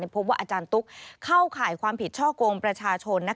พบว่าอาจารย์ตุ๊กเข้าข่ายความผิดช่อกงประชาชน